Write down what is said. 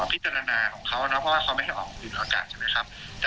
เพราะว่าเขาไม่ให้ออกคุณอากาศใช่ไหมครับ